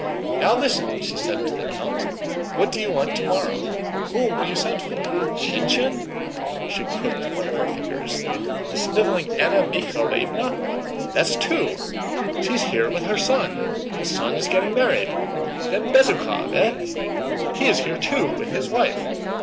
"Now listen," she said to the count. "What do you want tomorrow? Whom will you send for? Shinshín?" she crooked one of her fingers. "The sniveling Anna Mikháylovna? That's two. She's here with her son. The son is getting married! Then Bezúkhov, eh? He is here too, with his wife.